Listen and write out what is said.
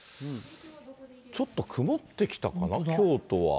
ちょっと曇ってきたかな、京都は。